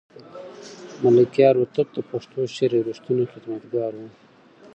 ملکیار هوتک د پښتو شعر یو رښتینی خدمتګار و.